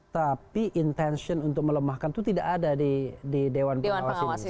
tapi intesi penyebran untuk melemahkan tidak ada di dewan pengawas ini